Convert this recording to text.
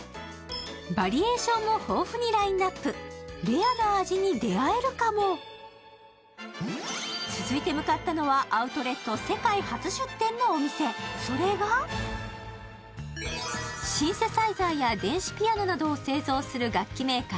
バリエーションも豊富にラインナップレアな味に出会えるかも続いて向かったのはのお店それがシンセサイザーや電子ピアノなどを製造する楽器メーカー